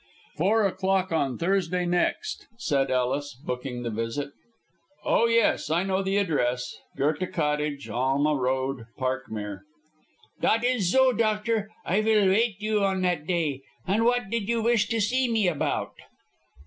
"Four o'clock on Thursday next," said Ellis, booking the visit. "Oh, yes, I know the address. Goethe Cottage, Alma Road, Parkmere." "Dat is zo, doctor. I vill wait you on that day. And what did you wish to zee me about?"